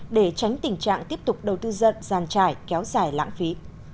để tránh tình trạng tiếp tục đầu tư giận giàn trải kéo dài lãng phí